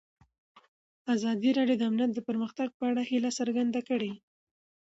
ازادي راډیو د امنیت د پرمختګ په اړه هیله څرګنده کړې.